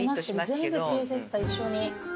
全部消えてった一緒に。